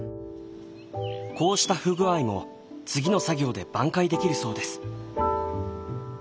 こうした不具合も次の作業で挽回できるそうです。